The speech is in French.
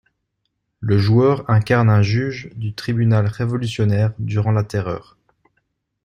Le joueur incarne un juge du Tribunal révolutionnaire durant la Terreur.